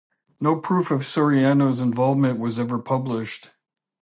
No proof of Soriano’s involvement was ever published.